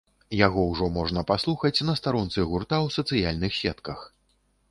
Яго ўжо можна паслухаць на старонцы гурта ў сацыяльных сетках.